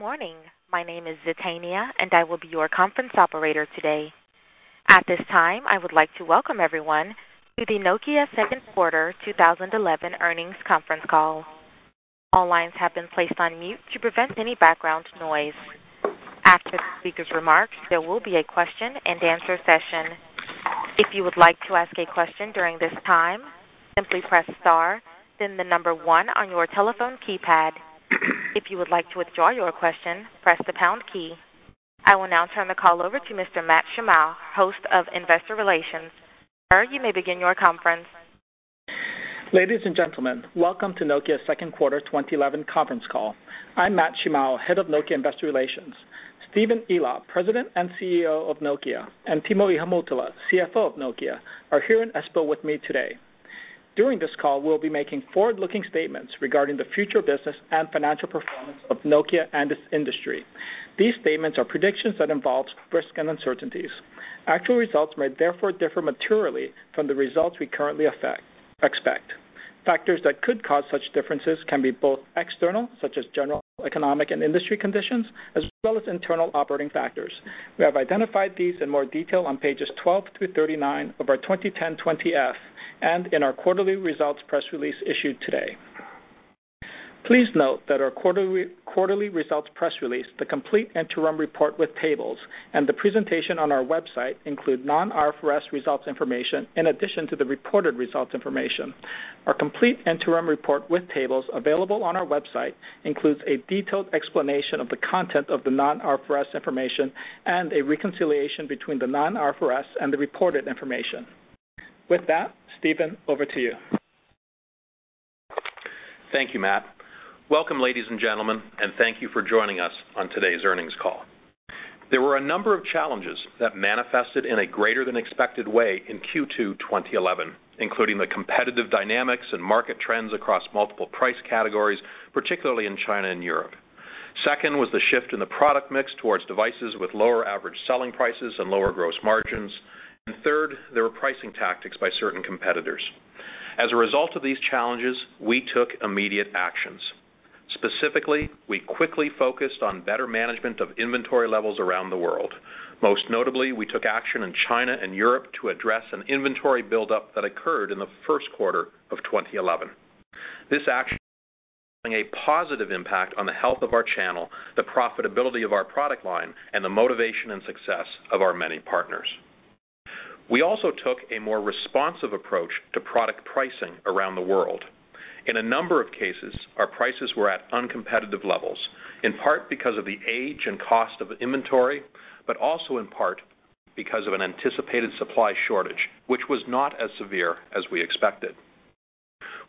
Good morning. My name is Zetania and I will be your conference operator today. At this time I would like to welcome everyone to the Nokia Q2 2011 earnings conference call. All lines have been placed on mute to prevent any background noise. After the speaker's remarks there will be a Q&A session. If you would like to ask a question during this time simply press star then the number one on your telephone keypad. If you would like to withdraw your question press the pound key. I will now turn the call over to Mr. Matt Shimao host of Investor Relations. Sir you may begin your conference. Ladies and gentlemen, welcome to Nokia Q2 2011 conference call. I'm Matt Shimao, Head of Nokia Investor Relations. Stephen Elop, President and CEO of Nokia, and Timo Ihamuotila, CFO of Nokia, are here in Espoo with me today. During this call, we will be making forward-looking statements regarding the future business and financial performance of Nokia and its industry. These statements are predictions that involve risk and uncertainties. Actual results may therefore differ materially from the results we currently expect. Factors that could cause such differences can be both external, such as general economic and industry conditions, as well as internal operating factors. We have identified these in more detail on pages 12 through 39 of our 2010 20-F and in our quarterly results press release issued today. Please note that our quarterly results press release, the complete interim report with tables, and the presentation on our website include non-IFRS results information in addition to the reported results information. Our complete interim report with tables available on our website includes a detailed explanation of the content of the non-IFRS information and a reconciliation between the non-IFRS and the reported information. With that, Stephen, over to you. Thank you, Matt. Welcome, ladies and gentlemen, and thank you for joining us on today's earnings call. There were a number of challenges that manifested in a greater than expected way in Q2 2011, including the competitive dynamics and market trends across multiple price categories, particularly in China and Europe. Second was the shift in the product mix towards devices with lower average selling prices and lower gross margins. And third, there were pricing tactics by certain competitors. As a result of these challenges, we took immediate actions. Specifically, we quickly focused on better management of inventory levels around the world. Most notably, we took action in China and Europe to address an inventory buildup that occurred in the Q1 of 2011. This action had a positive impact on the health of our channel, the profitability of our product line, and the motivation and success of our many partners. We also took a more responsive approach to product pricing around the world. In a number of cases, our prices were at uncompetitive levels, in part because of the age and cost of inventory, but also in part because of an anticipated supply shortage, which was not as severe as we expected.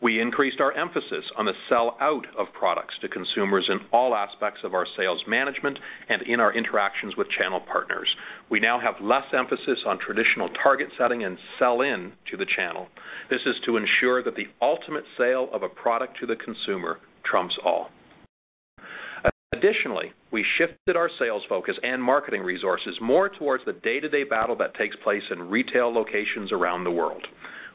We increased our emphasis on the sell out of products to consumers in all aspects of our sales management and in our interactions with channel partners. We now have less emphasis on traditional target setting and sell in to the channel. This is to ensure that the ultimate sale of a product to the consumer trumps all. Additionally we shifted our sales focus and marketing resources more towards the day-to-day battle that takes place in retail locations around the world.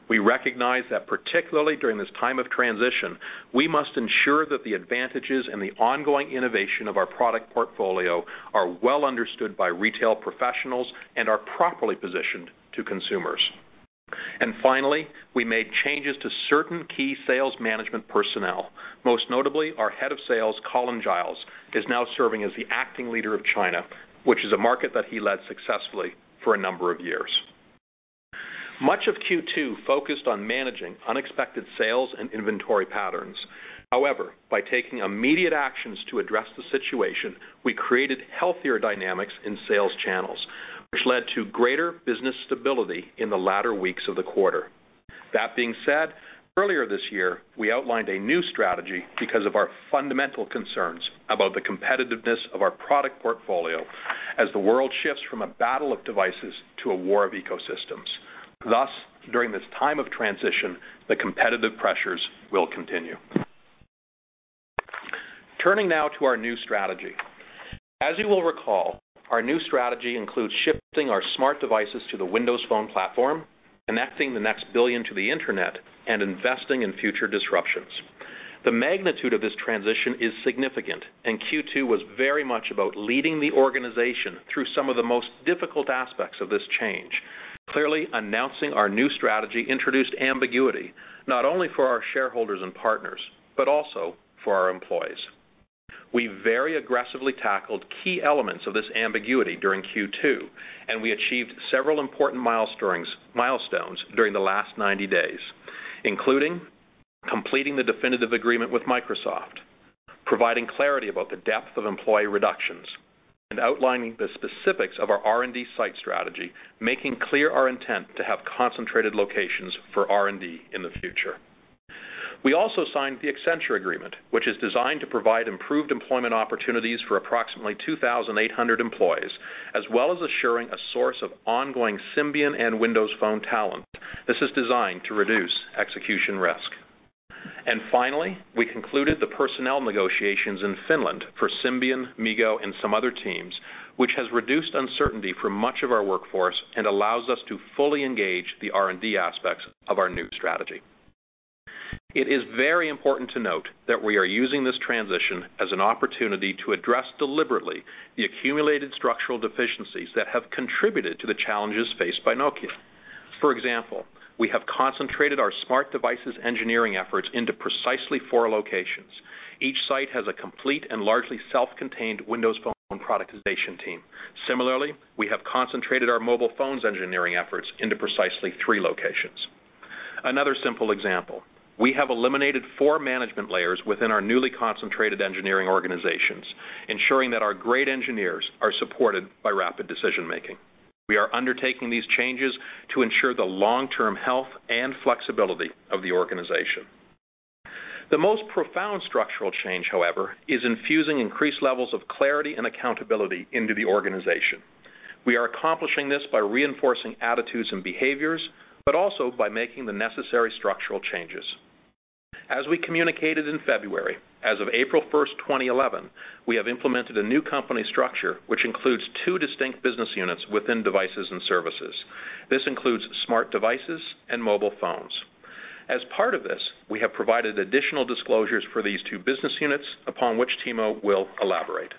We recognize that particularly during this time of transition we must ensure that the advantages and the ongoing innovation of our product portfolio are well understood by retail professionals and are properly positioned to consumers. And finally we made changes to certain key sales management personnel. Most notably our head of sales Colin Giles is now serving as the acting leader of China which is a market that he led successfully for a number of years. Much of Q2 focused on managing unexpected sales and inventory patterns. However by taking immediate actions to address the situation we created healthier dynamics in sales channels which led to greater business stability in the latter weeks of the quarter. That being said earlier this year we outlined a new strategy because of our fundamental concerns about the competitiveness of our product portfolio as the world shifts from a battle of devices to a war of ecosystems. Thus during this time of transition the competitive pressures will continue. Turning now to our new strategy. As you will recall our new strategy includes shifting our smart devices to the Windows Phone platform connecting the next billion to the internet and investing in future disruptions. The magnitude of this transition is significant and Q2 was very much about leading the organization through some of the most difficult aspects of this change. Clearly announcing our new strategy introduced ambiguity not only for our shareholders and partners but also for our employees. We very aggressively tackled key elements of this ambiguity during Q2 and we achieved several important milestones during the last 90 days including completing the definitive agreement with Microsoft, providing clarity about the depth of employee reductions, and outlining the specifics of our R&D site strategy making clear our intent to have concentrated locations for R&D in the future. We also signed the Accenture agreement which is designed to provide improved employment opportunities for approximately 2,800 employees as well as assuring a source of ongoing Symbian and Windows Phone talent. This is designed to reduce execution risk. Finally we concluded the personnel negotiations in Finland for Symbian, MeeGo, and some other teams which has reduced uncertainty for much of our workforce and allows us to fully engage the R&D aspects of our new strategy. It is very important to note that we are using this transition as an opportunity to address deliberately the accumulated structural deficiencies that have contributed to the challenges faced by Nokia. For example, we have concentrated our smart devices engineering efforts into precisely four locations. Each site has a complete and largely self-contained Windows Phone productization team. Similarly, we have concentrated our mobile phones engineering efforts into precisely three locations. Another simple example, we have eliminated four management layers within our newly concentrated engineering organizations, ensuring that our great engineers are supported by rapid decision making. We are undertaking these changes to ensure the long-term health and flexibility of the organization. The most profound structural change, however, is infusing increased levels of clarity and accountability into the organization. We are accomplishing this by reinforcing attitudes and behaviors but also by making the necessary structural changes. As we communicated in February as of April 1, 2011 we have implemented a new company structure which includes two distinct business units within devices and services. This includes smart devices and mobile phones. As part of this we have provided additional disclosures for these two business units upon which Timo will elaborate.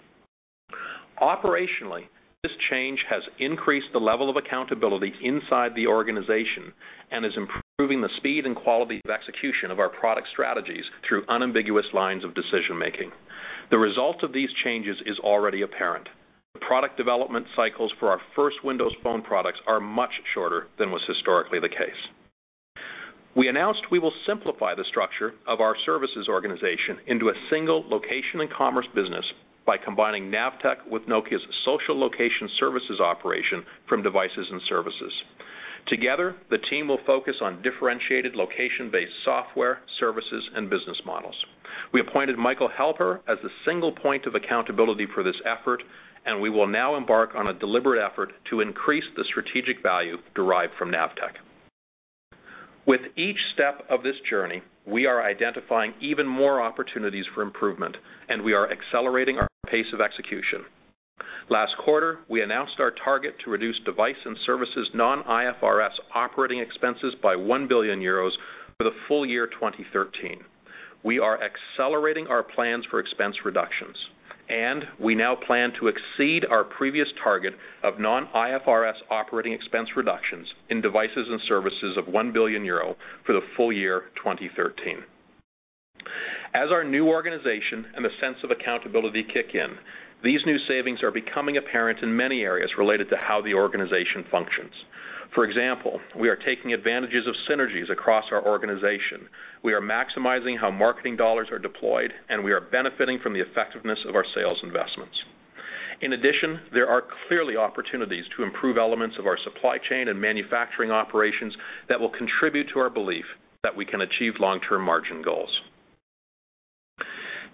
Operationally this change has increased the level of accountability inside the organization and is improving the speed and quality of execution of our product strategies through unambiguous lines of decision making. The result of these changes is already apparent. The product development cycles for our first Windows Phone products are much shorter than was historically the case. We announced we will simplify the structure of our services organization into a single location and commerce business by combining NAVTEQ with Nokia's social location services operation from devices and services. Together the team will focus on differentiated location-based software services and business models. We appointed Michael Halbherr as the single point of accountability for this effort and we will now embark on a deliberate effort to increase the strategic value derived from NAVTEQ. With each step of this journey we are identifying even more opportunities for improvement and we are accelerating our pace of execution. Last quarter we announced our target to reduce device and services non-IFRS operating expenses by 1 billion euros for the full year 2013. We are accelerating our plans for expense reductions. We now plan to exceed our previous target of non-IFRS operating expense reductions in devices and services of 1 billion euro for the full year 2013. As our new organization and the sense of accountability kick in, these new savings are becoming apparent in many areas related to how the organization functions. For example, we are taking advantages of synergies across our organization. We are maximizing how marketing dollars are deployed, and we are benefiting from the effectiveness of our sales investments. In addition, there are clearly opportunities to improve elements of our supply chain and manufacturing operations that will contribute to our belief that we can achieve long-term margin goals.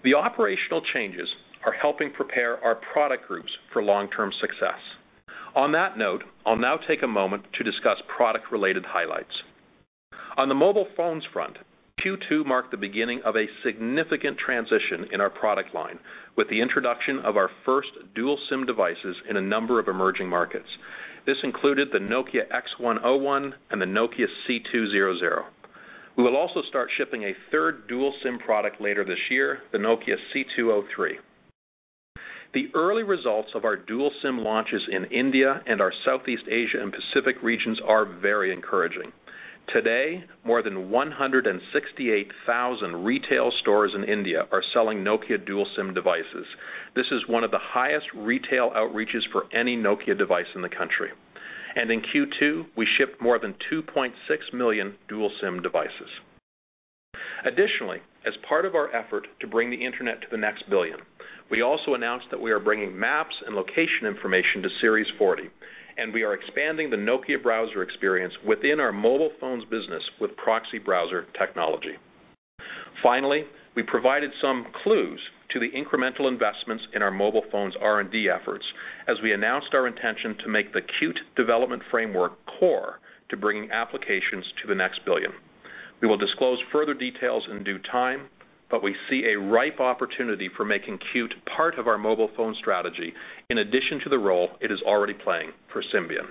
The operational changes are helping prepare our product groups for long-term success. On that note, I'll now take a moment to discuss product-related highlights. On the mobile phones front, Q2 marked the beginning of a significant transition in our product line with the introduction of our first Dual SIM devices in a number of emerging markets. This included the Nokia X1-01 and the Nokia C2-00. We will also start shipping a third dual SIM product later this year, the Nokia C2-03. The early results of our dual SIM launches in India and our Southeast Asia and Pacific regions are very encouraging. Today more than 168,000 retail stores in India are selling Nokia dual SIM devices. This is one of the highest retail outreaches for any Nokia device in the country. And in Q2 we shipped more than 2.6 million dual SIM devices. Additionally, as part of our effort to bring the internet to the next billion, we also announced that we are bringing maps and location information to Series 40. And we are expanding the Nokia browser experience within our mobile phones business with proxy browser technology. Finally we provided some clues to the incremental investments in our mobile phones R&D efforts as we announced our intention to make the Qt development framework core to bringing applications to the next billion. We will disclose further details in due time but we see a ripe opportunity for making Qt part of our mobile phone strategy in addition to the role it is already playing for Symbian.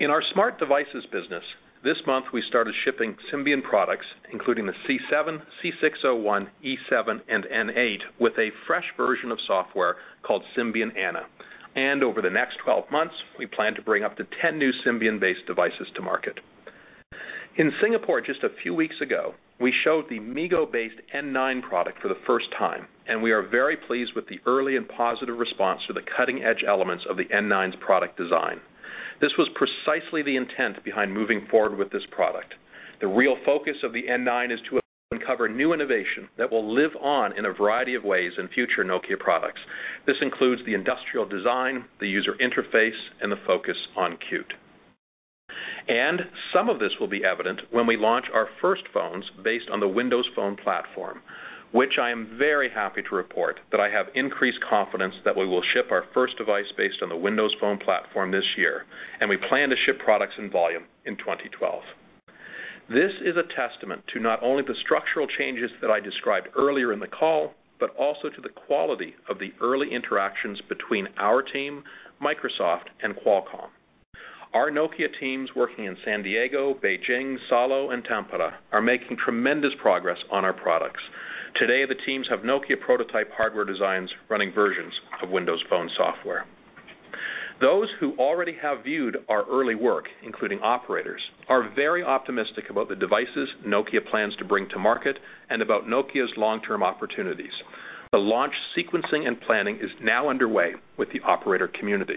In our smart devices business this month we started shipping Symbian products including the C7, C6-01, E7, and N8 with a fresh version of software called Symbian Anna. Over the next 12 months we plan to bring up to 10 new Symbian-based devices to market. In Singapore just a few weeks ago we showed the MeeGo-based N9 product for the first time and we are very pleased with the early and positive response to the cutting-edge elements of the N9's product design. This was precisely the intent behind moving forward with this product. The real focus of the N9 is to uncover new innovation that will live on in a variety of ways in future Nokia products. This includes the industrial design the user interface and the focus on Qt. And some of this will be evident when we launch our first phones based on the Windows Phone platform. Which I am very happy to report that I have increased confidence that we will ship our first device based on the Windows Phone platform this year and we plan to ship products in volume in 2012. This is a testament to not only the structural changes that I described earlier in the call but also to the quality of the early interactions between our team, Microsoft, and Qualcomm. Our Nokia teams working in San Diego, Beijing, Salo, and Tampere are making tremendous progress on our products. Today, the teams have Nokia prototype hardware designs running versions of Windows Phone software. Those who already have viewed our early work, including operators, are very optimistic about the devices Nokia plans to bring to market and about Nokia's long-term opportunities. The launch sequencing and planning is now underway with the operator community.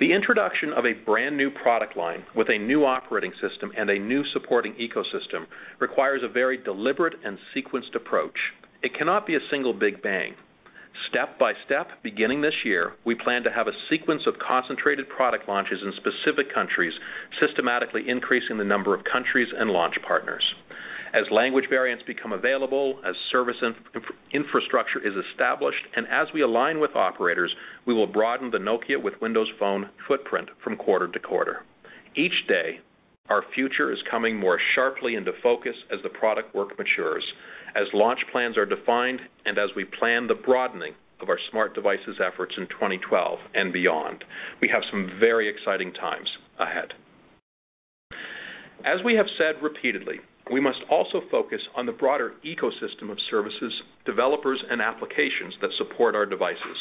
The introduction of a brand new product line with a new operating system and a new supporting ecosystem requires a very deliberate and sequenced approach. It cannot be a single big bang. Step by step, beginning this year, we plan to have a sequence of concentrated product launches in specific countries, systematically increasing the number of countries and launch partners. As language variants become available, as service infrastructure is established, and as we align with operators, we will broaden the Nokia with Windows Phone footprint from quarter-to-quarter. Each day, our future is coming more sharply into focus as the product work matures. As launch plans are defined and as we plan the broadening of our smart devices efforts in 2012 and beyond. We have some very exciting times ahead. As we have said repeatedly, we must also focus on the broader ecosystem of services, developers, and applications that support our devices.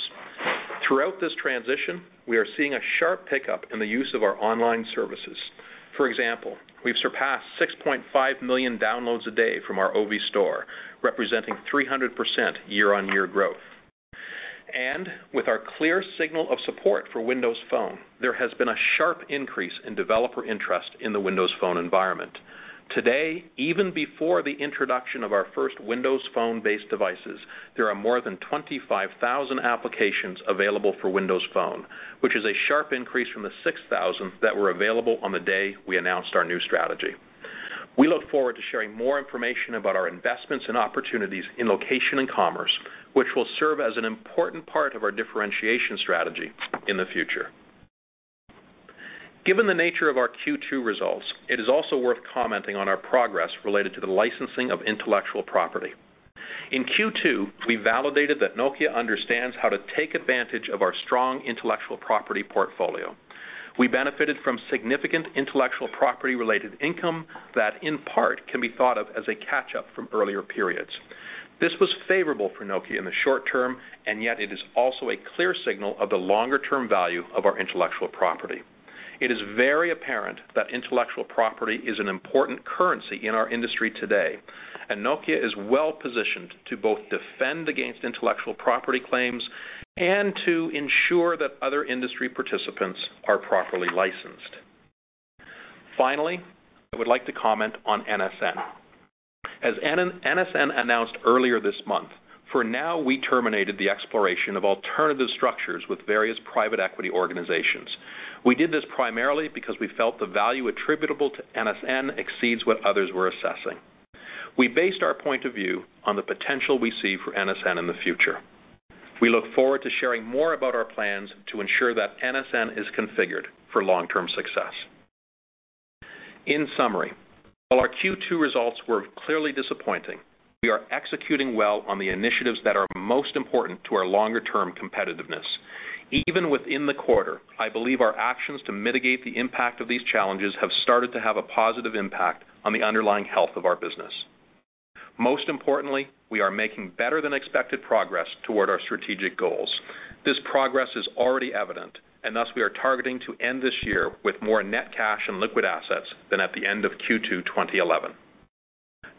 Throughout this transition, we are seeing a sharp pickup in the use of our online services. For example, we've surpassed 6.5 million downloads a day from our Ovi Store, representing 300% year-on-year growth. And with our clear signal of support for Windows Phone, there has been a sharp increase in developer interest in the Windows Phone environment. Today, even before the introduction of our first Windows Phone-based devices, there are more than 25,000 applications available for Windows Phone, which is a sharp increase from the 6,000 that were available on the day we announced our new strategy. We look forward to sharing more information about our investments and opportunities in location and commerce, which will serve as an important part of our differentiation strategy in the future. Given the nature of our Q2 results, it is also worth commenting on our progress related to the licensing of intellectual property. In Q2 we validated that Nokia understands how to take advantage of our strong intellectual property portfolio. We benefited from significant intellectual property-related income that in part can be thought of as a catch-up from earlier periods. This was favorable for Nokia in the short term and yet it is also a clear signal of the longer-term value of our intellectual property. It is very apparent that intellectual property is an important currency in our industry today and Nokia is well positioned to both defend against intellectual property claims and to ensure that other industry participants are properly licensed. Finally I would like to comment on NSN. As NSN announced earlier this month, for now we terminated the exploration of alternative structures with various private equity organizations. We did this primarily because we felt the value attributable to NSN exceeds what others were assessing. We based our point of view on the potential we see for NSN in the future. We look forward to sharing more about our plans to ensure that NSN is configured for long-term success. In summary, while our Q2 results were clearly disappointing, we are executing well on the initiatives that are most important to our longer-term competitiveness. Even within the quarter, I believe our actions to mitigate the impact of these challenges have started to have a positive impact on the underlying health of our business. Most importantly, we are making better than expected progress toward our strategic goals. This progress is already evident, and thus we are targeting to end this year with more net cash and liquid assets than at the end of Q2 2011.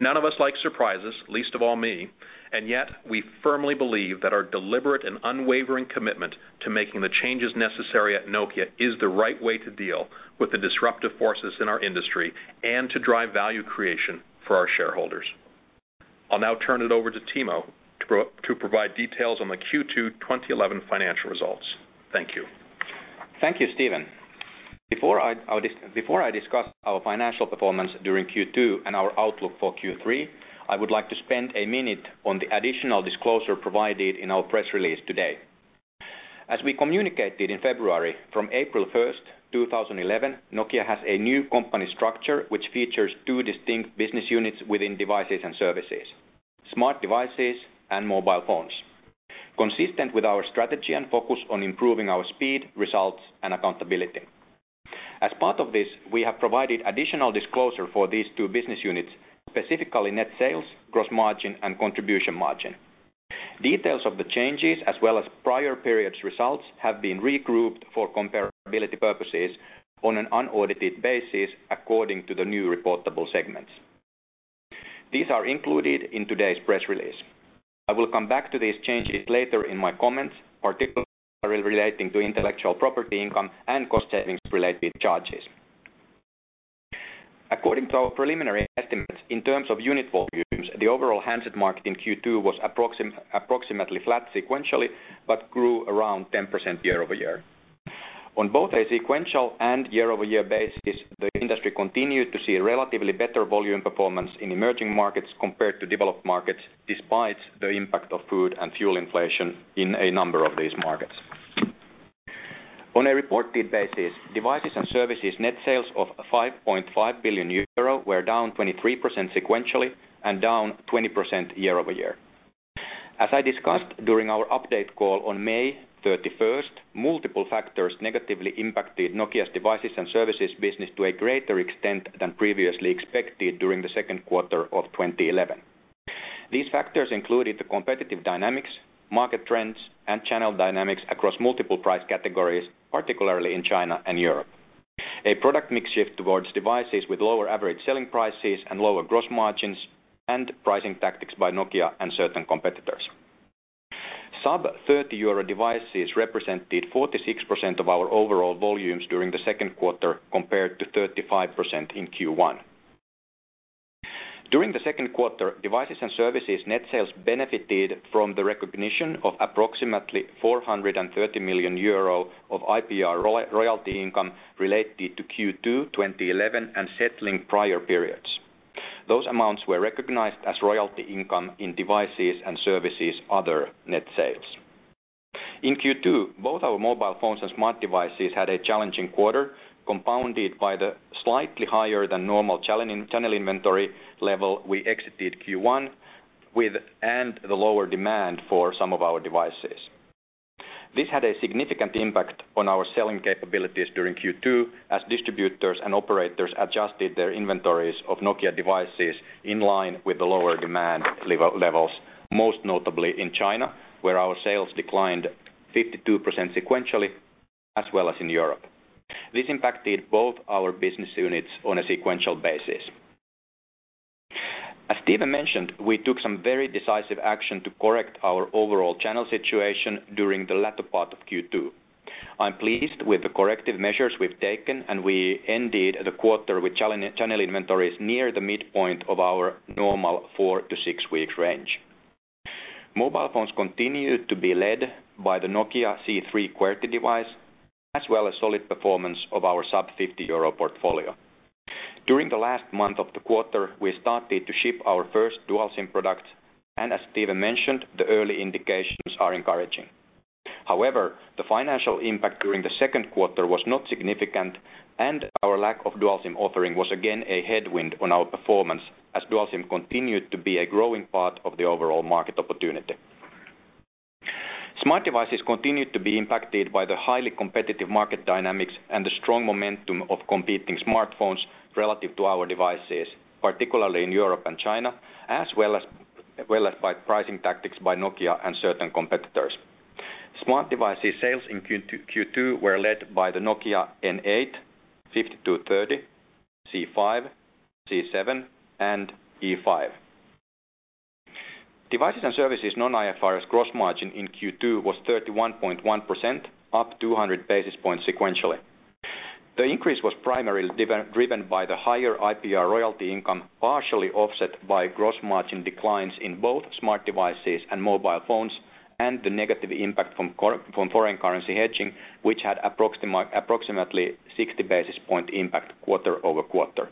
None of us like surprises least of all me, and yet we firmly believe that our deliberate and unwavering commitment to making the changes necessary at Nokia is the right way to deal with the disruptive forces in our industry and to drive value creation for our shareholders. I'll now turn it over to Timo to provide details on the Q2 2011 financial results. Thank you. Thank you, Stephen. Before I discuss our financial performance during Q2 and our outlook for Q3, I would like to spend a minute on the additional disclosure provided in our press release today. As we communicated in February, from April first, two thousand eleven, Nokia has a new company structure which features two distinct business units within Devices and Services: Smart Devices and Mobile Phones. Consistent with our strategy and focus on improving our speed, results, and accountability. As part of this, we have provided additional disclosure for these two business units, specifically net sales, gross margin, and contribution margin. Details of the changes, as well as prior periods' results, have been regrouped for comparability purposes on an unaudited basis according to the new reportable segments. These are included in today's press release. I will come back to these changes later in my comments particularly relating to intellectual property income and cost savings-related charges. According to our preliminary estimates in terms of unit volumes the overall handset market in Q2 was approximately flat sequentially but grew around 10% year-over-year. On both a sequential and year-over-year basis the industry continued to see relatively better volume performance in emerging markets compared to developed markets despite the impact of food and fuel inflation in a number of these markets. On a reported basis Devices and Services net sales of 5.5 billion euro were down 23% sequentially and down 20% year-over-year. As I discussed during our update call on May 31, multiple factors negatively impacted Nokia's devices and services business to a greater extent than previously expected during the Q2 of 2011. These factors included the competitive dynamics, market trends, and channel dynamics across multiple price categories, particularly in China and Europe. A product mix shift towards devices with lower average selling prices and lower gross margins and pricing tactics by Nokia and certain competitors. Sub-30 euro devices represented 46% of our overall volumes during the Q2 compared to 35% in Q1. During the Q2, devices and services net sales benefited from the recognition of approximately 430 million euro of IPR royalty income related to Q2 2011 and settling prior periods. Those amounts were recognized as royalty income in devices and services other net sales. In Q2 both our mobile phones and smart devices had a challenging quarter compounded by the slightly higher than normal challenging channel inventory level we exited Q1 with and the lower demand for some of our devices. This had a significant impact on our selling capabilities during Q2 as distributors and operators adjusted their inventories of Nokia devices in line with the lower demand levels most notably in China where our sales declined 52% sequentially as well as in Europe. This impacted both our business units on a sequential basis. As Stephen mentioned we took some very decisive action to correct our overall channel situation during the latter part of Q2. I'm pleased with the corrective measures we've taken and we ended the quarter with challenging channel inventories near the midpoint of our normal 4-6 weeks range. Mobile phones continue to be led by the Nokia C3 QWERTY device as well as solid performance of our sub-50 EUR portfolio. During the last month of the quarter we started to ship our first Dual SIM products and as Stephen mentioned the early indications are encouraging. However the financial impact during the Q2 was not significant and our lack of Dual SIM offering was again a headwind on our performance as Dual SIM continued to be a growing part of the overall market opportunity. Smart devices continue to be impacted by the highly competitive market dynamics and the strong momentum of competing smartphones relative to our devices particularly in Europe and China as well as by pricing tactics by Nokia and certain competitors. Smart devices sales in Q2 were led by the Nokia N8, 5230, C5, C7, and E5. Devices and services non-IFRS gross margin in Q2 was 31.1% up 200 basis points sequentially. The increase was primarily driven by the higher IPR royalty income partially offset by gross margin declines in both smart devices and mobile phones and the negative impact from currency from foreign currency hedging which had approximately 60 basis point impact quarter-over-quarter.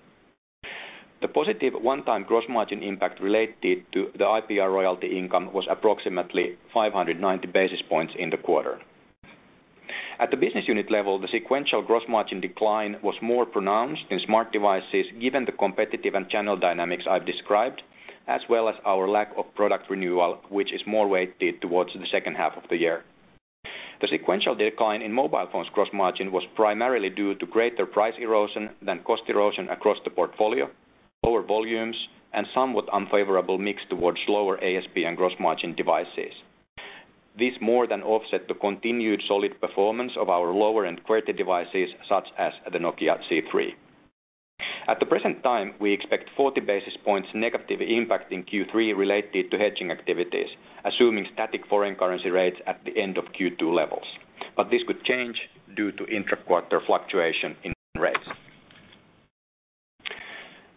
The positive one-time gross margin impact related to the IPR royalty income was approximately 590 basis points in the quarter. At the business unit level the sequential gross margin decline was more pronounced in smart devices given the competitive and channel dynamics I've described as well as our lack of product renewal which is more weighted towards the H2 of the year. The sequential decline in mobile phones gross margin was primarily due to greater price erosion than cost erosion across the portfolio lower volumes and somewhat unfavorable mix towards lower ASP and gross margin devices. This more than offset the continued solid performance of our lower end QWERTY devices such as the Nokia C3. At the present time we expect 40 basis points negative impact in Q3 related to hedging activities assuming static foreign currency rates at the end of Q2 levels but this could change due to intra quarter fluctuation in rates.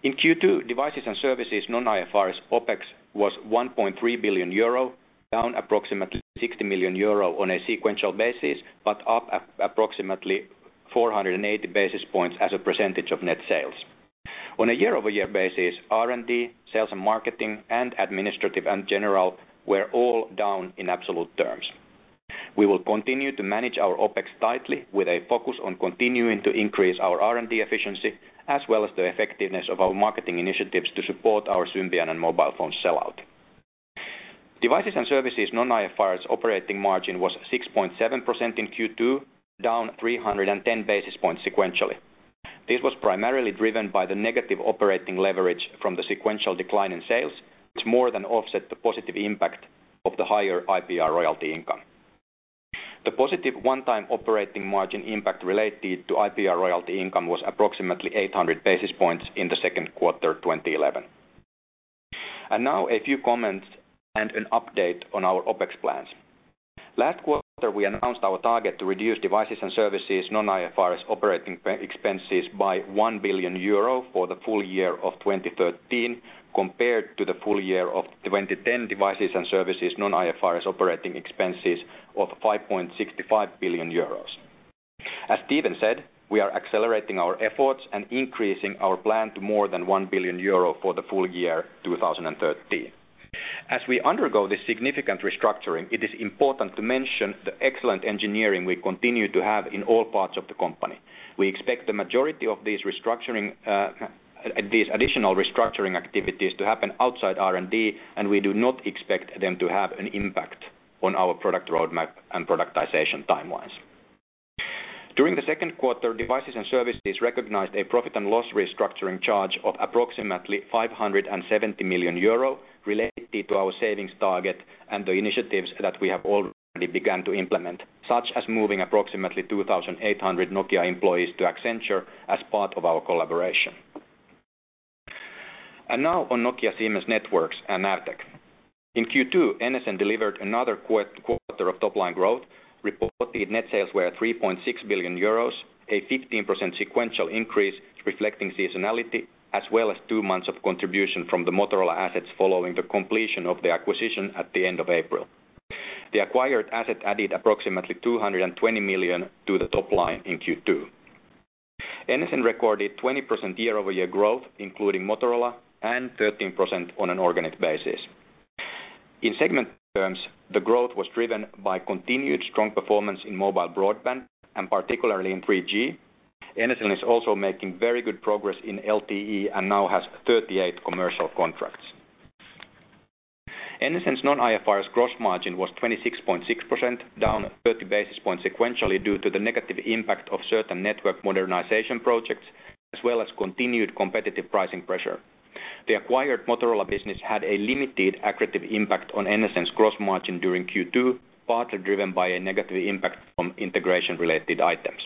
In Q2 devices and services non-IFRS OpEx was 1.3 billion euro down approximately 60 million euro on a sequential basis but up approximately 480 basis points as a percentage of net sales. On a year-over-year basis R&D sales and marketing and administrative and general were all down in absolute terms. We will continue to manage our OpEx tightly with a focus on continuing to increase our R&D efficiency as well as the effectiveness of our marketing initiatives to support our Symbian and mobile phone sellout. Devices and services non-IFRS operating margin was 6.7% in Q2 down 310 basis points sequentially. This was primarily driven by the negative operating leverage from the sequential decline in sales which more than offset the positive impact of the higher IPR royalty income. The positive one-time operating margin impact related to IPR royalty income was approximately 800 basis points in the Q2 2011. Now a few comments and an update on our OpEx plans. Last quarter we announced our target to reduce Devices and Services non-IFRS operating expenses by 1 billion euro for the full year of 2013 compared to the full year of 2010 Devices and Services non-IFRS operating expenses of 5.65 billion euros. As Stephen said we are accelerating our efforts and increasing our plan to more than 1 billion euro for the full year 2013. As we undergo this significant restructuring it is important to mention the excellent engineering we continue to have in all parts of the company. We expect the majority of these additional restructuring activities to happen outside R&D and we do not expect them to have an impact on our product roadmap and productization timelines. During the Q2 devices and services recognized a profit and loss restructuring charge of approximately 570 million euro related to our savings target and the initiatives that we have already begun to implement such as moving approximately 2,800 Nokia employees to Accenture as part of our collaboration. And now on Nokia Siemens Networks and NAVTEQ. In Q2 NSN delivered another quarter of top line growth reported net sales were 3.6 billion euros a 15% sequential increase reflecting seasonality as well as two months of contribution from the Motorola assets following the completion of the acquisition at the end of April. The acquired asset added approximately 220 million to the top line in Q2. NSN recorded 20% year-over-year growth including Motorola and 13% on an organic basis. In segment terms the growth was driven by continued strong performance in mobile broadband and particularly in 3G. NSN is also making very good progress in LTE and now has 38 commercial contracts. NSN's non-IFRS gross margin was 26.6% down 30 basis points sequentially due to the negative impact of certain network modernization projects as well as continued competitive pricing pressure. The acquired Motorola business had a limited accretive impact on NSN's gross margin during Q2 partly driven by a negative impact from integration related items.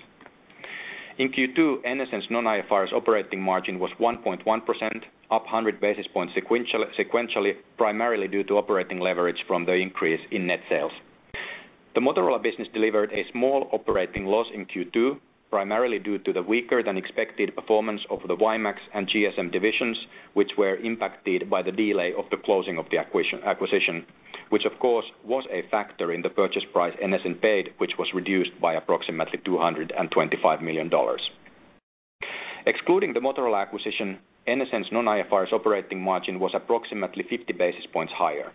In Q2, NSN's non-IFRS operating margin was 1.1%, up 100 basis points sequentially, primarily due to operating leverage from the increase in net sales. The Motorola business delivered a small operating loss in Q2, primarily due to the weaker than expected performance of the WiMAX and GSM divisions, which were impacted by the delay of the closing of the acquisition, which of course was a factor in the purchase price NSN paid, which was reduced by approximately $225 million. Excluding the Motorola acquisition, NSN's non-IFRS operating margin was approximately 50 basis points higher.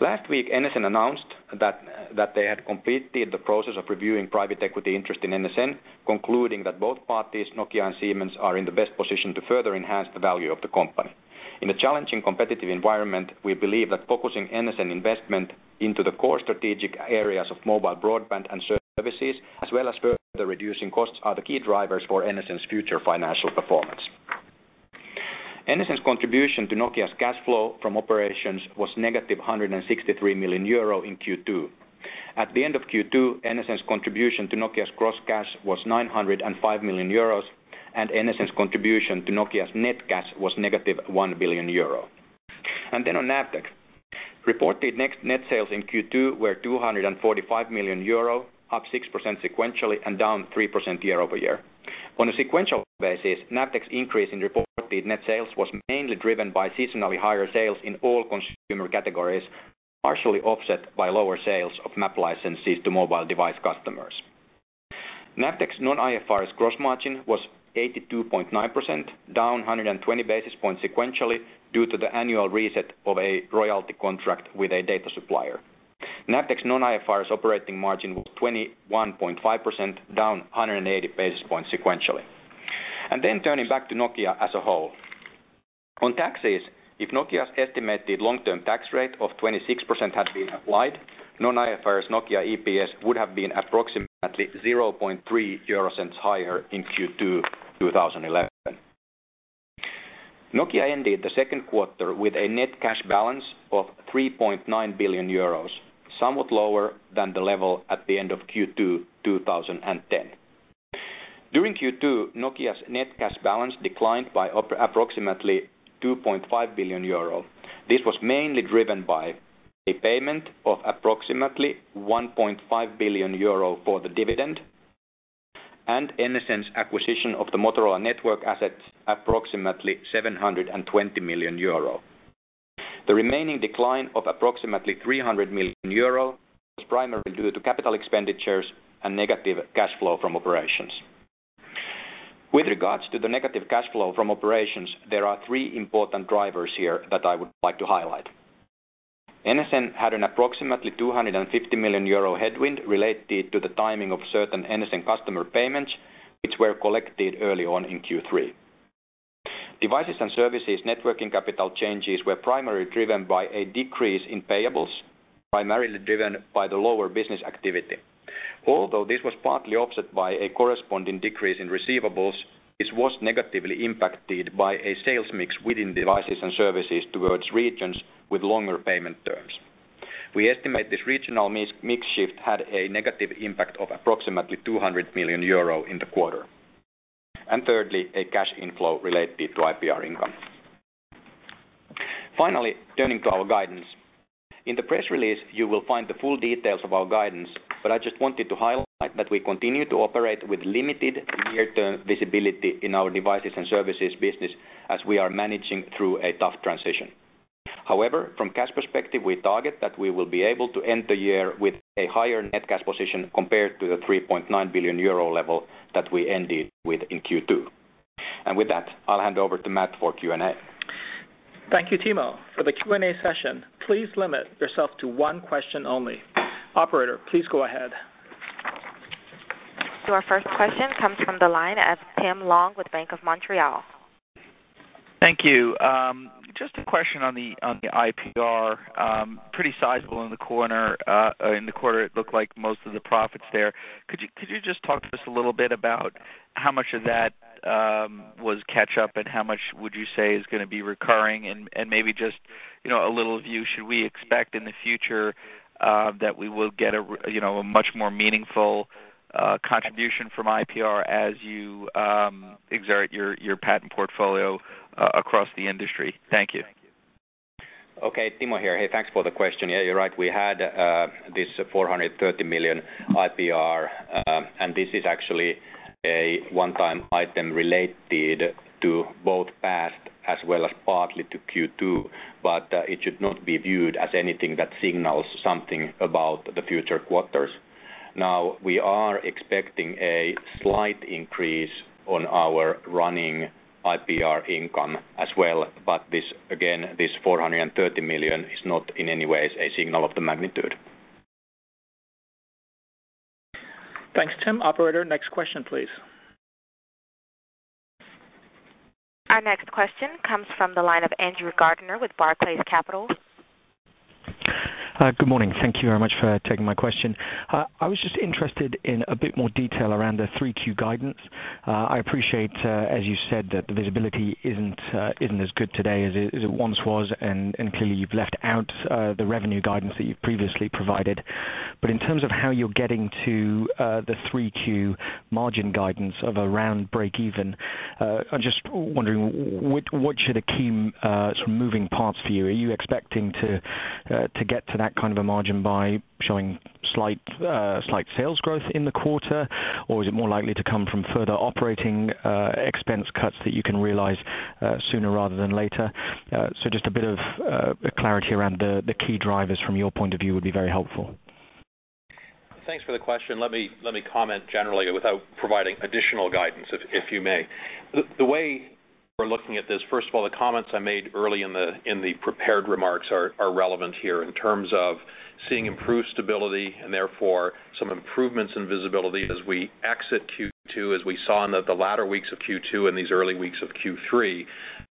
Last week, NSN announced that they had completed the process of reviewing private equity interest in NSN, concluding that both parties, Nokia and Siemens, are in the best position to further enhance the value of the company. In a challenging competitive environment we believe that focusing NSN investment into the core strategic areas of mobile broadband and services as well as further reducing costs are the key drivers for NSN's future financial performance. NSN's contribution to Nokia's cash flow from operations was negative 163 million euro in Q2. At the end of Q2 NSN's contribution to Nokia's gross cash was 905 million euros and NSN's contribution to Nokia's net cash was negative 1 billion euro. On NAVTEQ reported net sales in Q2 were 245 million euro up 6% sequentially and down 3% year-over-year. On a sequential basis NAVTEQ's increase in reported net sales was mainly driven by seasonally higher sales in all consumer categories partially offset by lower sales of map licenses to mobile device customers. NAVTEQ's non-IFRS gross margin was 82.9% down 120 basis points sequentially due to the annual reset of a royalty contract with a data supplier. NAVTEQ's non-IFRS operating margin was 21.5% down 180 basis points sequentially. And then turning back to Nokia as a whole. On taxes, if Nokia's estimated long-term tax rate of 26% had been applied, non-IFRS Nokia EPS would have been approximately 0.003 higher in Q2 2011. Nokia ended the Q2 with a net cash balance of 3.9 billion euros, somewhat lower than the level at the end of Q2 2010. During Q2, Nokia's net cash balance declined by approximately 2.5 billion euro. This was mainly driven by a payment of approximately 1.5 billion euro for the dividend and NSN's acquisition of the Motorola network assets approximately 720 million euro. The remaining decline of approximately 300 million euro was primarily due to capital expenditures and negative cash flow from operations. With regards to the negative cash flow from operations there are three important drivers here that I would like to highlight. NSN had an approximately 250 million euro headwind related to the timing of certain NSN customer payments which were collected early on in Q3. Devices and services networking capital changes were primarily driven by a decrease in payables primarily driven by the lower business activity. Although this was partly offset by a corresponding decrease in receivables, this was negatively impacted by a sales mix within devices and services towards regions with longer payment terms. We estimate this regional mix shift had a negative impact of approximately 200 million euro in the quarter. And thirdly, a cash inflow related to IPR income. Finally, turning to our guidance. In the press release you will find the full details of our guidance, but I just wanted to highlight that we continue to operate with limited year term visibility in our devices and services business as we are managing through a tough transition. However, from cash perspective we target that we will be able to end the year with a higher net cash position compared to the 3.9 billion euro level that we ended with in Q2. With that I'll hand over to Matt for Q&A. Thank you Timo for the Q&A session. Please limit yourself to one question only. Operator, please go ahead. So our first question comes from the line of Tim Long with Bank of Montreal. Thank you. Just a question on the IPR. Pretty sizable in the quarter; it looked like most of the profits there. Could you just talk to us a little bit about how much of that was catch up and how much would you say is going to be recurring and maybe just a little view: should we expect in the future that we will get a much more meaningful contribution from IPR as you exert your patent portfolio across the industry? Thank you. Okay, Timo here. Hey, thanks for the question. Yeah, you're right. We had this 430 million IPR and this is actually a one-time item related to both past as well as partly to Q2 but it should not be viewed as anything that signals something about the future quarters. Now we are expecting a slight increase on our running IPR income as well but this again this 430 million is not in any ways a signal of the magnitude. Thanks Tim. Operator next question please. Our next question comes from the line of Andrew Gardiner with Barclays Capital. Good morning. Thank you very much for taking my question. I was just interested in a bit more detail around the Q3 guidance. I appreciate as you said that the visibility isn't as good today as it once was and clearly you've left out the revenue guidance that you've previously provided. But in terms of how you're getting to the Q3 margin guidance of around breakeven, I'm just wondering what the key moving parts for you are. Are you expecting to get to that kind of a margin by showing slight slight sales growth in the quarter, or is it more likely to come from further operating expense cuts that you can realize sooner rather than later? So just a bit of clarity around the key drivers from your point of view would be very helpful. Thanks for the question. Let me let me comment generally without providing additional guidance, if I may. The way we're looking at this, first of all, the comments I made early in the prepared remarks are relevant here in terms of seeing improved stability and therefore some improvements in visibility as we exit Q2, as we saw in the latter weeks of Q2 and these early weeks of Q3,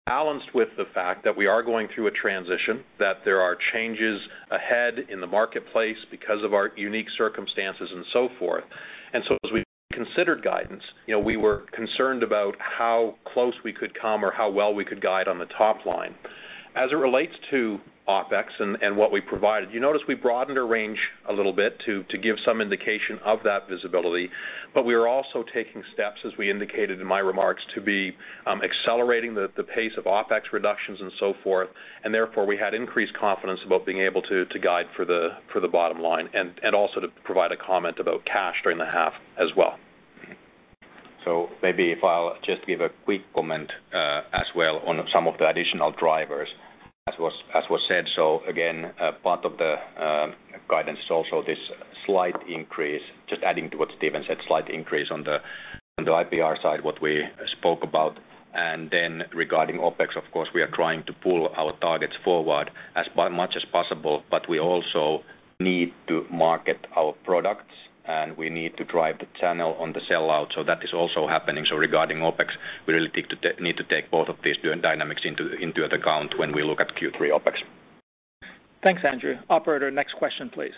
balanced with the fact that we are going through a transition, that there are changes ahead in the marketplace because of our unique circumstances and so forth. And so as we considered guidance, we were concerned about how close we could come or how well we could guide on the top line. As it relates to OpEx and what we provided, you notice we broadened our range a little bit to give some indication of that visibility, but we are also taking steps, as we indicated in my remarks, to be accelerating the pace of OpEx reductions and so forth, and therefore we had increased confidence about being able to guide for the bottom line and also to provide a comment about cash during the half as well. So maybe if I'll just give a quick comment as well on some of the additional drivers as was said. So again part of the guidance is also this slight increase just adding to what Stephen said, slight increase on the IPR side what we spoke about. Then regarding OpEx of course we are trying to pull our targets forward as much as possible but we also need to market our products and we need to drive the channel on the sellout so that is also happening. So regarding OpEx we really need to take both of these dynamics into account when we look at Q3 OpEx. Thanks Andrew. Operator next question please.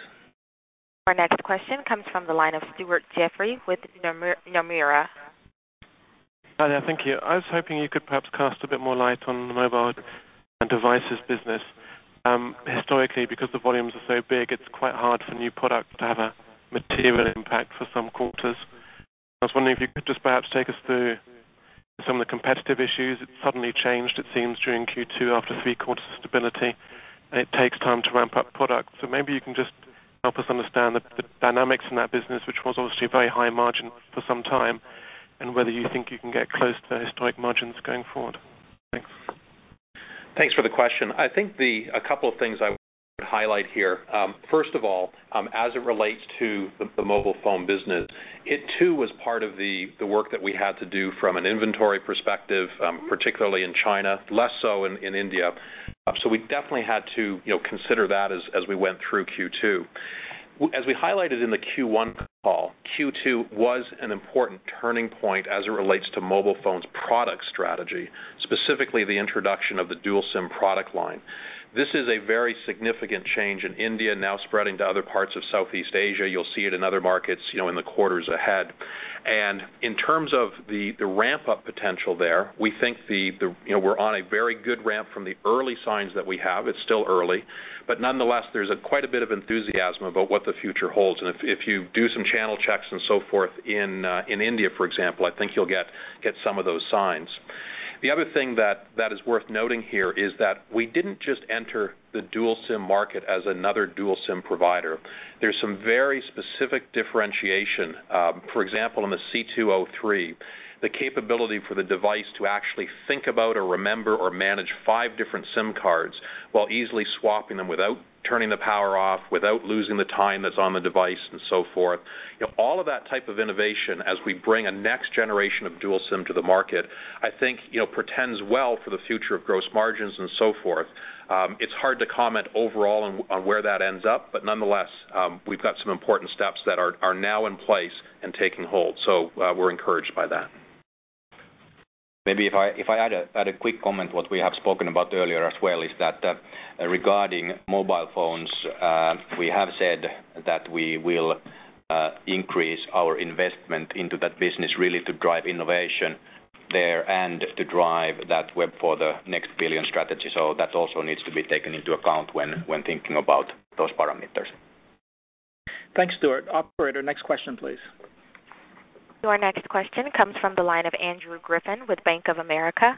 Our next question comes from the line of Stuart Jeffrey with Nomura. Hi there. Thank you. I was hoping you could perhaps cast a bit more light on the mobile and devices business. Historically because the volumes are so big it's quite hard for new products to have a material impact for some quarters. I was wondering if you could just perhaps take us through some of the competitive issues. It suddenly changed it seems during Q2 after three quarters of stability and it takes time to ramp up products. So maybe you can just help us understand the dynamics in that business which was obviously very high margin for some time and whether you think you can get close to historic margins going forward. Thanks. Thanks for the question. I think a couple of things I would highlight here. First of all, as it relates to the mobile phone business, it too was part of the work that we had to do from an inventory perspective, particularly in China, less so in India. So we definitely had to consider that as we went through Q2. As we highlighted in the Q1 call, Q2 was an important turning point as it relates to mobile phones product strategy, specifically the introduction of the Dual SIM product line. This is a very significant change in India now spreading to other parts of Southeast Asia. You'll see it in other markets in the quarters ahead. In terms of the ramp up potential there we think we're on a very good ramp from the early signs that we have. It's still early but nonetheless there's quite a bit of enthusiasm about what the future holds. If you do some channel checks and so forth in India for example I think you'll get some of those signs. The other thing that is worth noting here is that we didn't just enter the dual SIM market as another dual SIM provider. There's some very specific differentiation. For example in the C2-03 the capability for the device to actually think about or remember or manage five different SIM cards while easily swapping them without turning the power off without losing the time that's on the device and so forth. All of that type of innovation as we bring a next generation of Dual SIM to the market I think portends well for the future of gross margins and so forth. It's hard to comment overall on where that ends up but nonetheless we've got some important steps that are now in place and taking hold. So we're encouraged by that. Maybe if I add a quick comment to what we have spoken about earlier as well is that regarding mobile phones we have said that we will increase our investment into that business really to drive innovation there and to drive that web for the next billion strategy. So that also needs to be taken into account when thinking about those parameters. Thanks, Stuart. Operator, next question please. Our next question comes from the line of Andrew Griffin with Bank of America.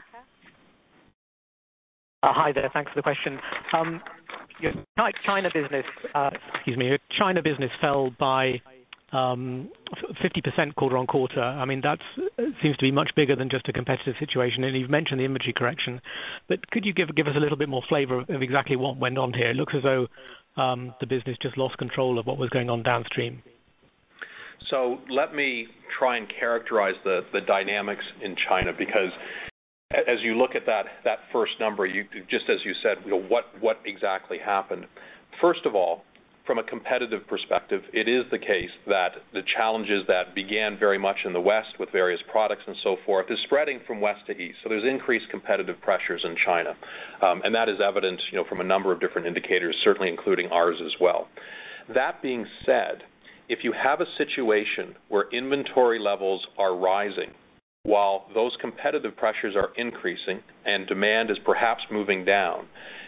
Hi there. Thanks for the question. Your China business, excuse me, your China business fell by 50% quarter-on-quarter. I mean that seems to be much bigger than just a competitive situation and you've mentioned the inventory correction but could you give us a little bit more flavor of exactly what went on here. It looks as though the business just lost control of what was going on downstream. So let me try and characterize the dynamics in China because as you look at that first number just as you said what exactly happened. First of all from a competitive perspective it is the case that the challenges that began very much in the West with various products and so forth is spreading from West to East. So there's increased competitive pressures in China and that is evident from a number of different indicators certainly including ours as well. That being said if you have a situation where inventory levels are rising while those competitive pressures are increasing and demand is perhaps moving down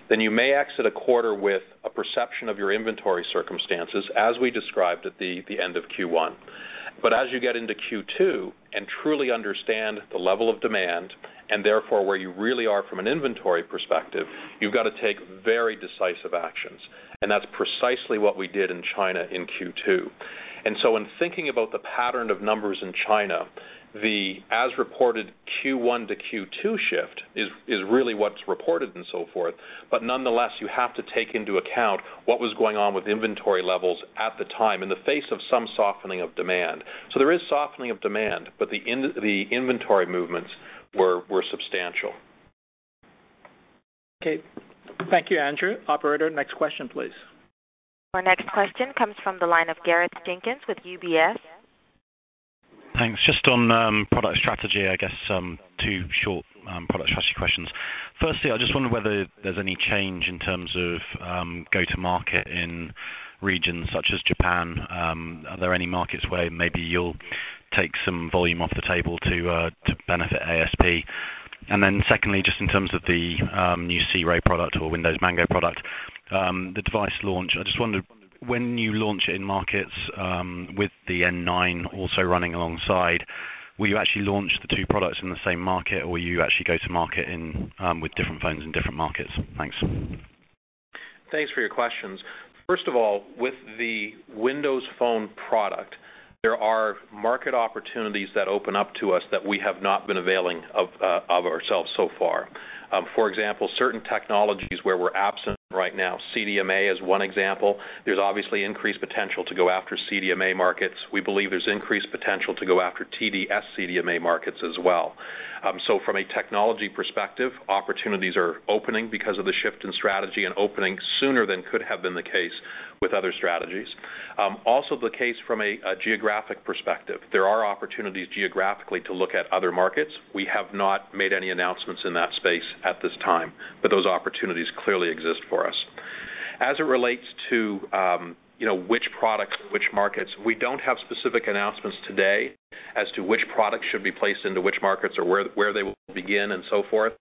then you may exit a quarter with a perception of your inventory circumstances as we described at the end of Q1. As you get into Q2 and truly understand the level of demand and therefore where you really are from an inventory perspective you've got to take very decisive actions. That's precisely what we did in China in Q2. In thinking about the pattern of numbers in China the as reported Q1 to Q2 shift is really what's reported and so forth but nonetheless you have to take into account what was going on with inventory levels at the time in the face of some softening of demand. There is softening of demand but the inventory movements were substantial. Okay. Thank you Andrew. Operator next question please. Our next question comes from the line of Gareth Jenkins with UBS. Thanks. Just on product strategy I guess two short product strategy questions. Firstly, I just wonder whether there's any change in terms of go-to-market in regions such as Japan. Are there any markets where maybe you'll take some volume off the table to benefit ASP? And then secondly, just in terms of the new Sea Ray product or Windows Mango product, the device launch, I just wondered when you launch it in markets with the N9 also running alongside, will you actually launch the two products in the same market or will you actually go to market with different phones in different markets. Thanks. Thanks for your questions. First of all, with the Windows Phone product, there are market opportunities that open up to us that we have not been availing of ourselves so far. For example, certain technologies where we're absent right now, CDMA is one example. There's obviously increased potential to go after CDMA markets. We believe there's increased potential to go after TD-SCDMA markets as well. So from a technology perspective opportunities are opening because of the shift in strategy and opening sooner than could have been the case with other strategies. Also the case from a geographic perspective. There are opportunities geographically to look at other markets. We have not made any announcements in that space at this time but those opportunities clearly exist for us. As it relates to which products in which markets we don't have specific announcements today as to which products should be placed into which markets or where they will begin and so forth.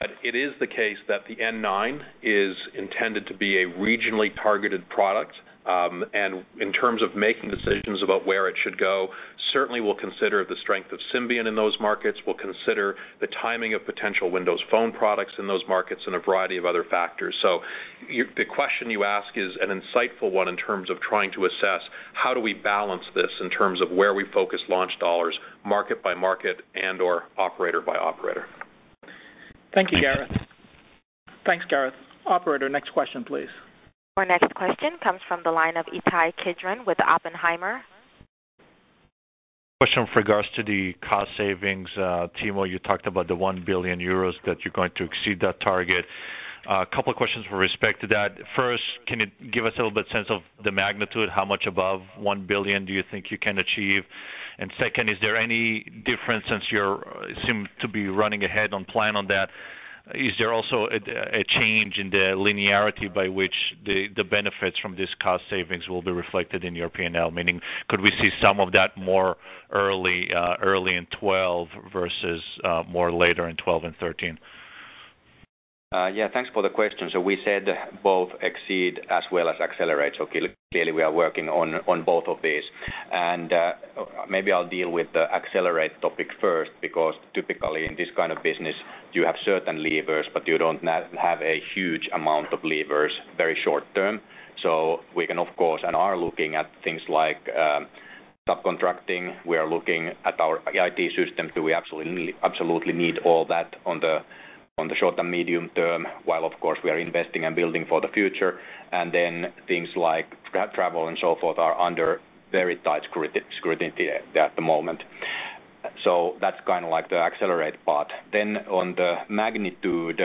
But it is the case that the N9 is intended to be a regionally targeted product and in terms of making decisions about where it should go certainly we'll consider the strength of Symbian in those markets. We'll consider the timing of potential Windows Phone products in those markets and a variety of other factors. So the question you ask is an insightful one in terms of trying to assess how do we balance this in terms of where we focus launch dollars market by market and/or operator by operator. Thank you Gareth. Thanks Gareth. Operator, next question please. Our next question comes from the line of Ittai Kidron with Oppenheimer. Question with regards to the cost savings. Timo, you talked about the 1 billion euros that you're going to exceed that target. A couple of questions with respect to that. First, can you give us a little bit sense of the magnitude how much above 1 billion do you think you can achieve. And second, is there any difference since you seem to be running ahead on plan on that. Is there also a change in the linearity by which the benefits from these cost savings will be reflected in your P&L, meaning could we see some of that more early in 2012 versus more later in 2012 and 2013? Yeah, thanks for the question. So we said both exceed as well as accelerate. So clearly we are working on both of these. And maybe I'll deal with the accelerate topic first because typically in this kind of business you have certain levers but you don't have a huge amount of levers very short term. So we can of course and are looking at things like subcontracting. We are looking at our IT system. Do we absolutely need all that on the short and medium term while of course we are investing and building for the future? And then things like travel and so forth are under very tight scrutiny at the moment. So that's kind of like the accelerate part. Then on the magnitude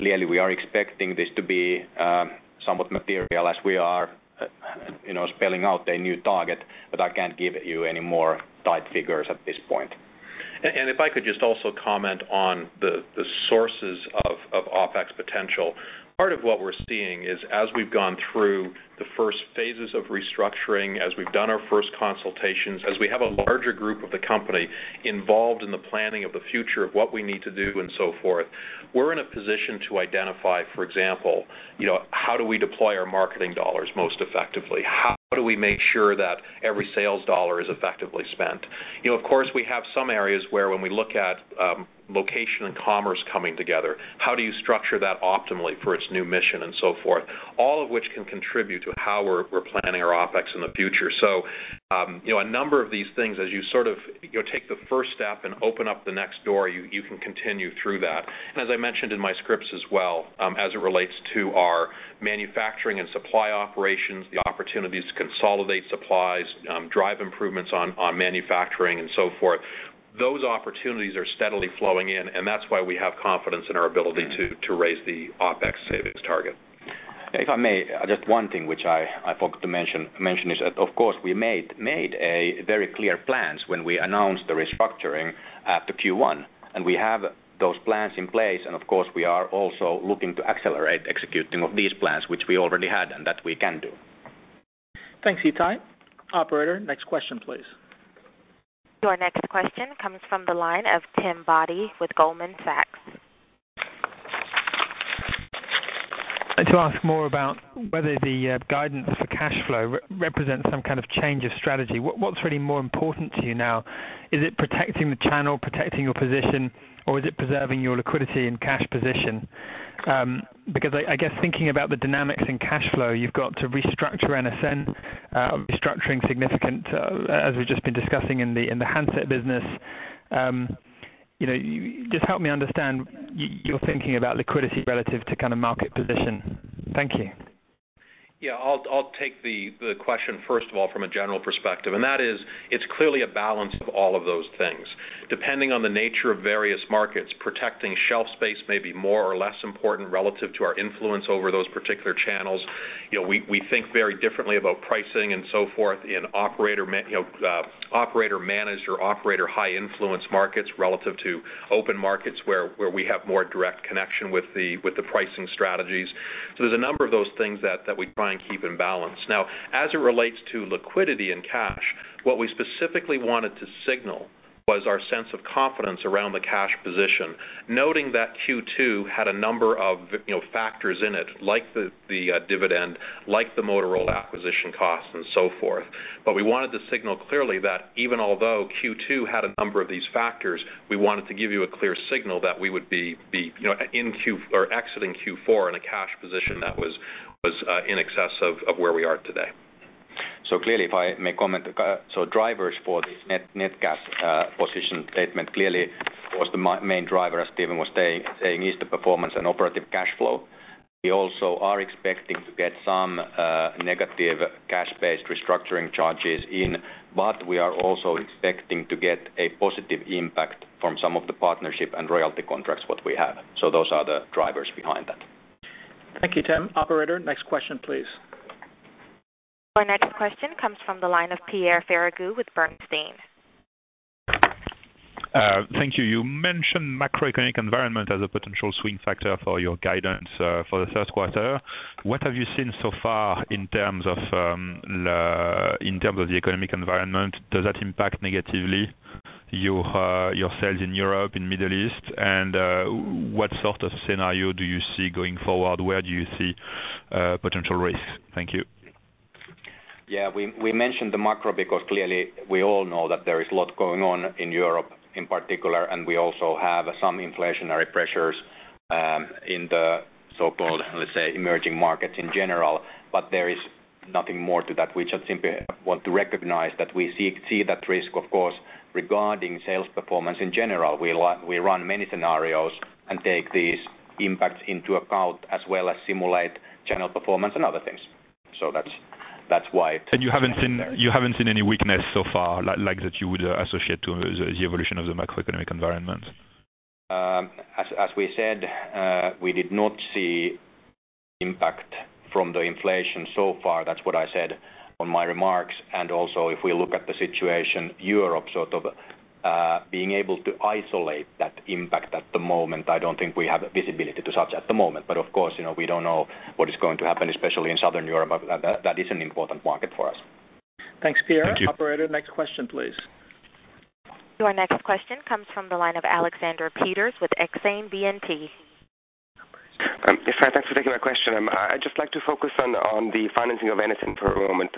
clearly we are expecting this to be somewhat material as we are spelling out a new target but I can't give you any more tight figures at this point. And if I could just also comment on the sources of OpEx potential. Part of what we're seeing is as we've gone through the first phases of restructuring as we've done our first consultations as we have a larger group of the company involved in the planning of the future of what we need to do and so forth we're in a position to identify for example how do we deploy our marketing dollars most effectively. How do we make sure that every sales dollar is effectively spent. Of course we have some areas where when we look at location and commerce coming together how do you structure that optimally for its new mission and so forth all of which can contribute to how we're planning our OpEx in the future. So a number of these things as you sort of take the first step and open up the next door you can continue through that. And as I mentioned in my scripts as well as it relates to our manufacturing and supply operations the opportunities to consolidate supplies drive improvements on manufacturing and so forth those opportunities are steadily flowing in and that's why we have confidence in our ability to raise the OpEx savings target. If I may, just one thing which I forgot to mention is that of course we made a very clear plans when we announced the restructuring after Q1 and we have those plans in place and of course we are also looking to accelerate executing of these plans which we already had and that we can do. Thanks, Ittai. Operator, next question please. Our next question comes from the line of Tim Boddy with Goldman Sachs. I'd like to ask more about whether the guidance for cash flow represents some kind of change of strategy. What's really more important to you now? Is it protecting the channel, protecting your position, or is it preserving your liquidity and cash position? Because I guess thinking about the dynamics in cash flow you've got to restructure NSN restructuring significant as we've just been discussing in the handset business. Just help me understand what you're thinking about liquidity relative to kind of market position. Thank you. Yeah, I'll take the question first of all from a general perspective, and that is it's clearly a balance of all of those things. Depending on the nature of various markets, protecting shelf space may be more or less important relative to our influence over those particular channels. We think very differently about pricing and so forth in operator managed or operator high influence markets relative to open markets where we have more direct connection with the pricing strategies. So there's a number of those things that we try and keep in balance. Now, as it relates to liquidity and cash, what we specifically wanted to signal was our sense of confidence around the cash position, noting that Q2 had a number of factors in it, like the dividend, like the Motorola acquisition costs, and so forth. But we wanted to signal clearly that even although Q2 had a number of these factors, we wanted to give you a clear signal that we would be in Q or exiting Q4 in a cash position that was in excess of where we are today. So clearly, if I may comment, so drivers for this net cash position statement clearly was the main driver, as Stephen was saying, is the performance and operating cash flow. We also are expecting to get some negative cash-based restructuring charges in, but we are also expecting to get a positive impact from some of the partnership and royalty contracts what we have. So those are the drivers behind that. Thank you, Tim. Operator, next question please. Our next question comes from the line of Pierre Ferragu with Sanford C. Bernstein. Thank you. You mentioned macroeconomic environment as a potential swing factor for your guidance for the Q1. What have you seen so far in terms of the economic environment? Does that impact negatively your sales in Europe in Middle East, and what sort of scenario do you see going forward? Where do you see potential risks? Thank you. Yeah, we mentioned the macro because clearly we all know that there is a lot going on in Europe in particular and we also have some inflationary pressures in the so-called, let's say, emerging markets in general, but there is nothing more to that. We just simply want to recognize that we see that risk of course regarding sales performance in general. We run many scenarios and take these impacts into account as well as simulate channel performance and other things. That's why. You haven't seen any weakness so far like that you would associate to the evolution of the macroeconomic environment. As we said, we did not see impact from the inflation so far. That's what I said in my remarks. And also if we look at the situation Europe sort of being able to isolate that impact at the moment, I don't think we have visibility to such at the moment. But of course we don't know what is going to happen especially in Southern Europe but that is an important market for us. Thanks, Pierre. Operator, next question please. Our next question comes from the line of Alexander Peterc with Exane BNP Paribas. Thanks for taking my question. I'd just like to focus on the financing of NSN for a moment.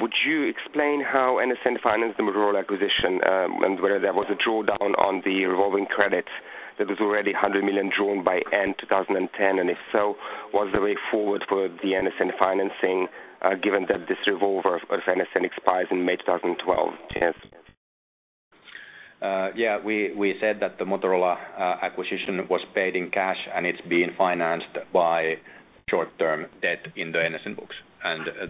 Would you explain how NSN financed the Motorola acquisition and whether there was a drawdown on the revolving credits that was already 100 million drawn by end 2010 and if so was the way forward for the NSN financing given that this revolver of NSN expires in May 2012. Yeah, we said that the Motorola acquisition was paid in cash and it's being financed by short-term debt in the NSN books.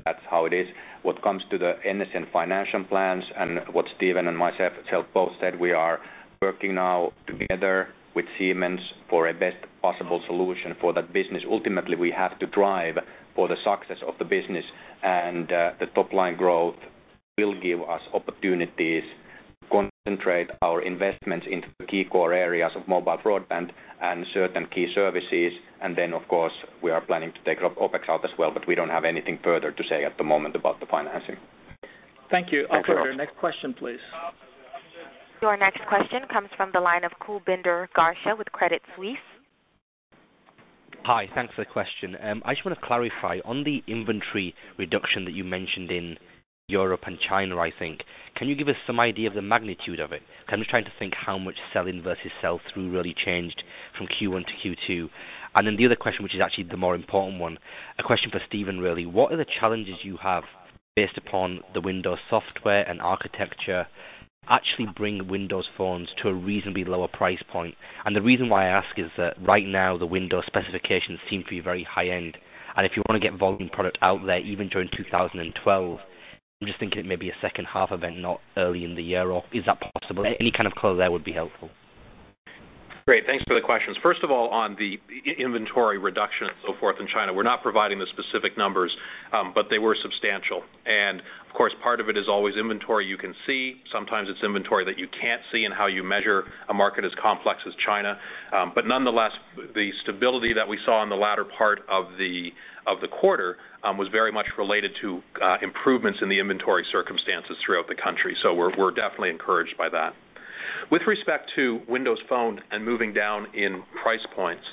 That's how it is. What comes to the NSN financial plans and what Stephen and myself both said we are working now together with Siemens for a best possible solution for that business. Ultimately we have to drive for the success of the business and the top line growth will give us opportunities to concentrate our investments into the key core areas of mobile broadband and certain key services. Then of course we are planning to take OpEx out as well but we don't have anything further to say at the moment about the financing. Thank you. Operator, next question please. Our next question comes from the line of Kulbinder Garcha with Credit Suisse. Hi, thanks for the question. I just want to clarify on the inventory reduction that you mentioned in Europe and China, I think. Can you give us some idea of the magnitude of it? Because I'm just trying to think how much sell in versus sell through really changed from Q1 to Q2. And then the other question, which is actually the more important one. A question for Stephen really. What are the challenges you have based upon the Windows software and architecture actually bring Windows Phones to a reasonably lower price point? And the reason why I ask is that right now the Windows specifications seem to be very high-end and if you want to get volume product out there even during 2012, I'm just thinking it may be a H2 event not early in the year or is that possible? Any kind of color there would be helpful. Great. Thanks for the questions. First of all on the inventory reduction and so forth in China. We're not providing the specific numbers but they were substantial. Of course part of it is always inventory you can see. Sometimes it's inventory that you can't see in how you measure a market as complex as China. Nonetheless the stability that we saw in the latter part of the quarter was very much related to improvements in the inventory circumstances throughout the country. We're definitely encouraged by that. With respect to Windows Phone and moving down in price points.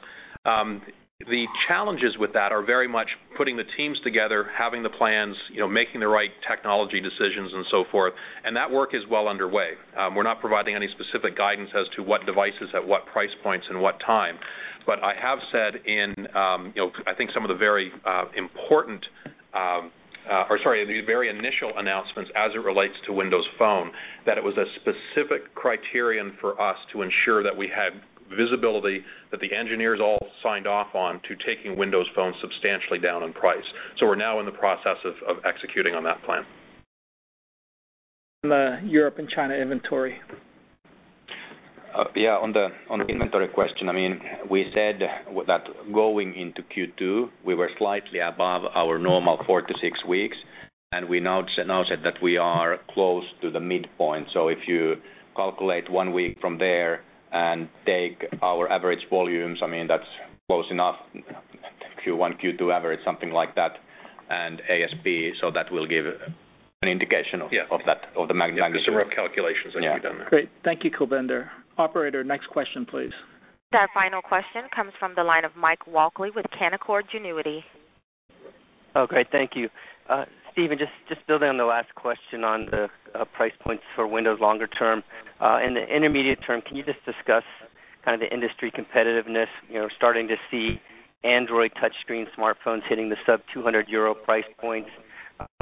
The challenges with that are very much putting the teams together having the plans making the right technology decisions and so forth and that work is well underway. We're not providing any specific guidance as to what devices at what price points and what time. But I have said in I think some of the very important or sorry the very initial announcements as it relates to Windows Phone that it was a specific criterion for us to ensure that we had visibility that the engineers all signed off on to taking Windows Phones substantially down in price. So we're now in the process of executing on that plan. On the Europe and China inventory. Yeah on the inventory question. I mean we said that going into Q2 we were slightly above our normal four to six weeks and we now said that we are close to the midpoint. So if you calculate one week from there and take our average volumes I mean that's close enough Q1, Q2 average something like that and ASP so that will give an indication of that of the magnitude. Yeah because the rough calculations that you've done there. Great. Thank you, Kulbinder. Operator, next question please. Our final question comes from the line of Mike Walkley with Canaccord Genuity. Oh, great, thank you. Stephen, just building on the last question on the price points for Windows longer term. In the intermediate term, can you just discuss kind of the industry competitiveness, starting to see Android touchscreen smartphones hitting the sub 200 euro price points.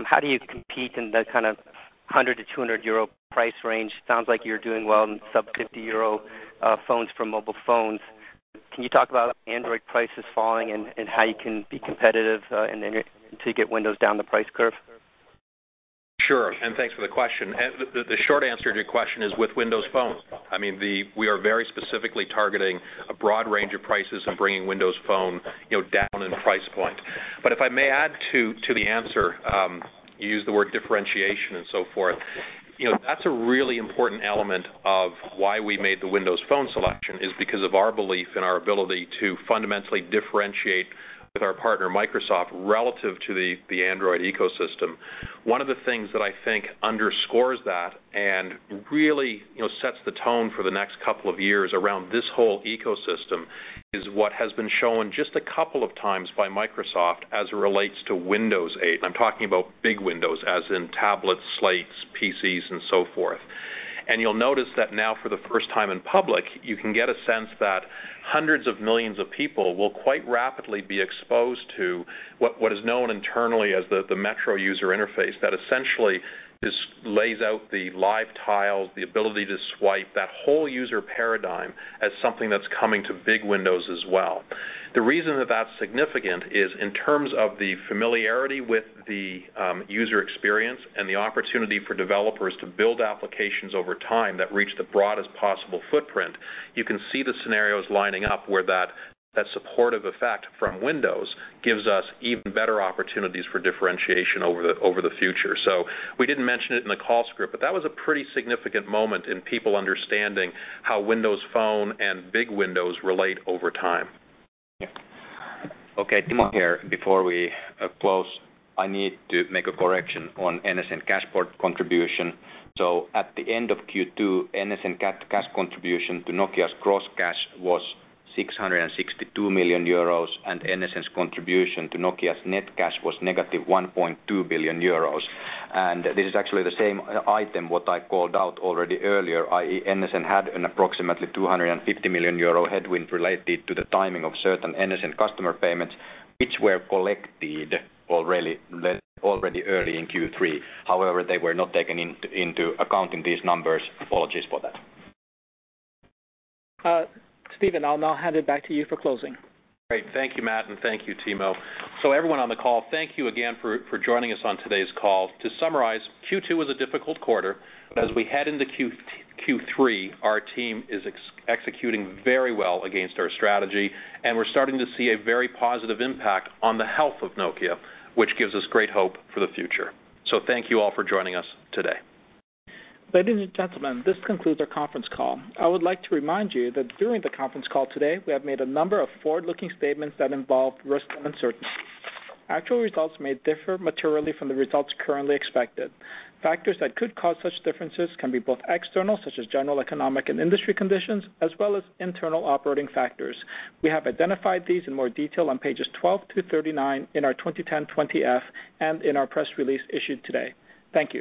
How do you compete in the kind of 100-200 euro price range. Sounds like you're doing well in sub 50 euro phones for mobile phones. Can you talk about Android prices falling and how you can be competitive until you get Windows down the price curve. Sure, and thanks for the question. The short answer to your question is with Windows Phones. I mean we are very specifically targeting a broad range of prices and bringing Windows Phone down in price point. But if I may add to the answer. You used the word differentiation and so forth. That's a really important element of why we made the Windows Phone selection is because of our belief in our ability to fundamentally differentiate with our partner Microsoft relative to the Android ecosystem. One of the things that I think underscores that and really sets the tone for the next couple of years around this whole ecosystem is what has been shown just a couple of times by Microsoft as it relates to Windows 8. I'm talking about big Windows as in tablets slates PCs and so forth. You'll notice that now for the first time in public you can get a sense that hundreds of millions of people will quite rapidly be exposed to what is known internally as the Metro user interface that essentially lays out the Live Tiles the ability to swipe that whole user paradigm as something that's coming to big Windows as well. The reason that that's significant is in terms of the familiarity with the user experience and the opportunity for developers to build applications over time that reach the broadest possible footprint. You can see the scenarios lining up where that supportive effect from Windows gives us even better opportunities for differentiation over the future. So we didn't mention it in the call script but that was a pretty significant moment in people understanding how Windows Phone and big Windows relate over time. Okay Timo here before we close. I need to make a correction on NSN cash portion contribution. So at the end of Q2 NSN cash contribution to Nokia's gross cash was 662 million euros and NSN's contribution to Nokia's net cash was negative 1.2 billion euros. And this is actually the same item what I called out already earlier i.e. NSN had an approximately 250 million euro headwind related to the timing of certain NSN customer payments which were collected already early in Q3. However they were not taken into account in these numbers. Apologies for that. Stephen I'll now hand it back to you for closing. Great. Thank you Matt and thank you Timo. So everyone on the call thank you again for joining us on today's call. To summarize, Q2 was a difficult quarter, but as we head into Q3, our team is executing very well against our strategy, and we're starting to see a very positive impact on the health of Nokia, which gives us great hope for the future. So thank you all for joining us today. Ladies and gentlemen, this concludes our conference call. I would like to remind you that during the conference call today we have made a number of forward-looking statements that involve risk and uncertainty. Actual results may differ materially from the results currently expected. Factors that could cause such differences can be both external, such as general economic and industry conditions, as well as internal operating factors. We have identified these in more detail on pages 12-39 in our 2010 20-F and in our press release issued today. Thank you.